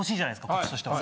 こっちとしては。